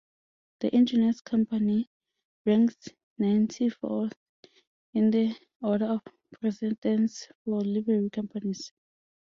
The Engineers' Company ranks ninety-fourth in the order of precedence for Livery Companies.